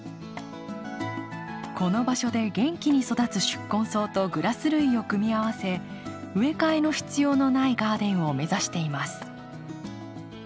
この場所で元気に育つ宿根草とグラス類を組み合わせ植え替えの必要のないガーデンを目指しています。